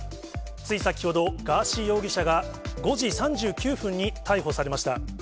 つい先ほど、ガーシー容疑者が５時３９分に逮捕されました。